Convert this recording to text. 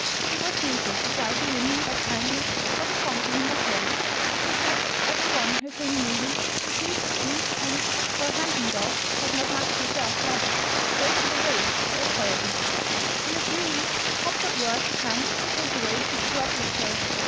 It was useless to try to win him by kindness or to conquer him by force. He snapped at every one who came near him, refused to eat, and (for a hunting dog has not much reserve flesh) wasted away to a skeleton. In a few weeks Hopp got word to come and take away his worthless cur.